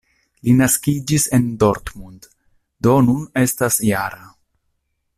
Li naskiĝis en Dortmund, do nun estas -jara.